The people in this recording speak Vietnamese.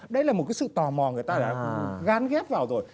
đấy là một cái sự tò mò người ta đã gán ghép vào rồi